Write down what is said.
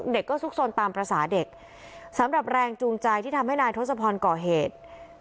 เด็กก็ซุกซนตามภาษาเด็กสำหรับแรงจูงใจที่ทำให้นายทศพรก่อเหตุ